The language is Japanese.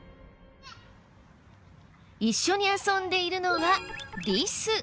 一緒に遊んでいるのはリス。